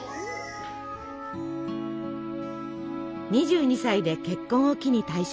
２２歳で結婚を機に退職。